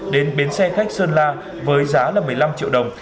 đến bến xe khách sơn la với giá là một mươi năm triệu đồng